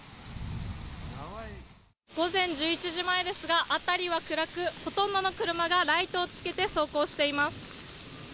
午前１１時前ですが、辺りは暗く、ほとんどの車がライトをつけて走行しています。